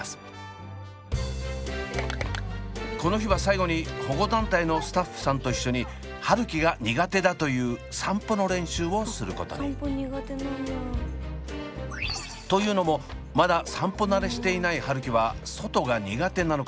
この日は最後に保護団体のスタッフさんと一緒に春輝が苦手だという散歩の練習をすることに。というのもまだ散歩慣れしていない春輝は外が苦手なのか